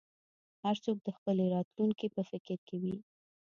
هر څوک د خپلې راتلونکې په فکر کې وي.